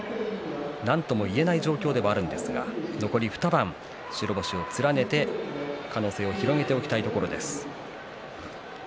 なんとも言えない状況ですが残り２番、白星を連ねて可能性を広げておきたいところです。